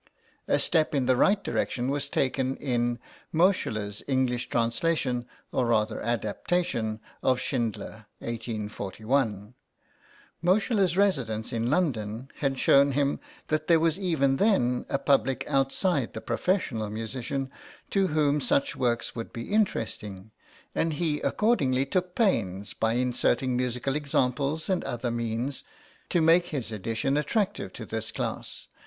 A step in the right direction was taken in Moscheles' English translation (or rather adaptation) of Schindler (1841). Moscheles' residence in London had shown him that there was even then a public outside the professional musician to whom such works would be interesting, and he accordingly took pains, by inserting musical examples and other means, to make his edition attractive to this class.